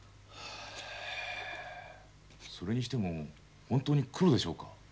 それにしても本当にクロでしょうか？